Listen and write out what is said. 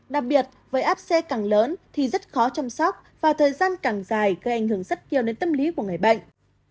đặc biệt với áp xe càng lớn thì rất khó chăm sóc và thời gian càng dài gây ảnh hưởng rất nhiều đến tâm lý của người bệnh